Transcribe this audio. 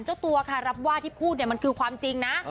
เจ้าตัวค่ะรับว่าที่พูดเนี่ยมันคือความจริงนะ